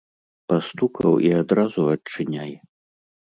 Пастукаў і адразу адчыняй.